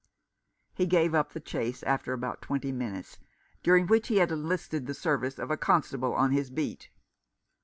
He gave up the chase after about twenty minutes, during which he had enlisted the service of a constable on his beat.